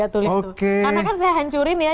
karena kan saya hancurin ya